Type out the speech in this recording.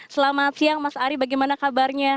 selamat siang mas ari bagaimana kabarnya